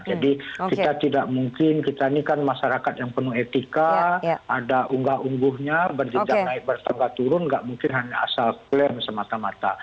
jadi kita tidak mungkin kita ini kan masyarakat yang penuh etika ada unggah ungguhnya berjajak naik berjajak turun tidak mungkin asal klaim semata mata